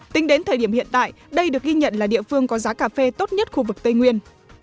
tính đến thời điểm hiện tại đây được ghi nhận là địa phương có giá cà phê tốt nhất khu vực tây nguyên